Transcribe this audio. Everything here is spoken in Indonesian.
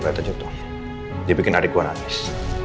udah tajuk dong dia bikin adik gue nangis